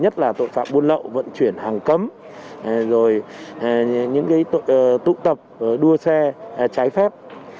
nhất là tội phạm buôn lậu vận chuyển hàng cấm rồi những tụ tập đua xe trái phép